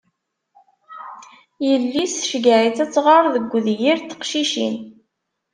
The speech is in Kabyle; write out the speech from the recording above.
Yelli-s tceyyeɛ-itt ad tɣer deg udyir n teqcicin.